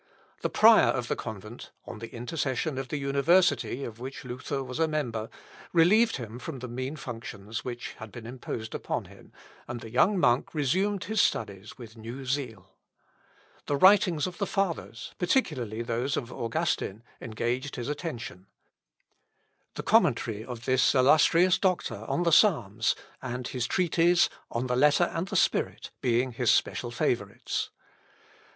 The prior of the convent, on the intercession of the university of which Luther was a member, relieved him from the mean functions which had been imposed on him, and the young monk resumed his studies with new zeal. The writings of the Fathers, particularly those of Augustine, engaged his attention; the Commentary of this illustrious doctor on the Psalms, and his treatise "On the Letter and the Spirit," being his special favourites.